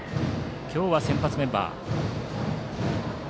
今日は先発メンバー。